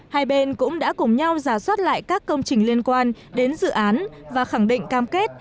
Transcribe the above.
hai bên cũng đã cùng nhau giả soát lại các công trình liên quan đến dự án và khẳng định cam kết